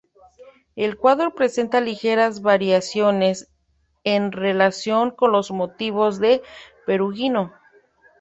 El cuadro presenta ligeras variaciones en relación con los motivos de Perugino.